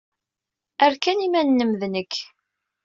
Err kan iman-nnem d nekk.